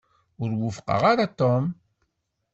Ur iwufeq ara Tom.